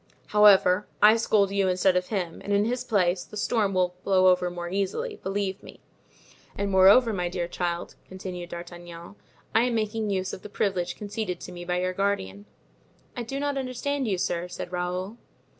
However, I scold you instead of him, and in his place; the storm will blow over more easily, believe me. And moreover, my dear child," continued D'Artagnan, "I am making use of the privilege conceded to me by your guardian." "I do not understand you, sir," said Raoul.